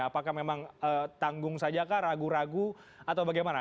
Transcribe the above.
apakah memang tanggung saja kah ragu ragu atau bagaimana